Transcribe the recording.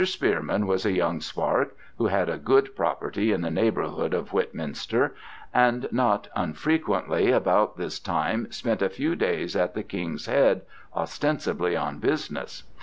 Spearman was a young spark, who had a good property in the neighbourhood of Whitminster, and not unfrequently about this time spent a few days at the "King's Head," ostensibly on business.